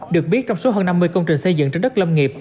được biết trong số hơn năm mươi công trình xây dựng trên đất lâm nghiệp